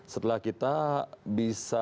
setelah kita bisa